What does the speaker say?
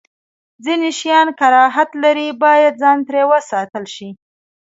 ځینې شیان کراهت لري، باید ځان ترې وساتل شی.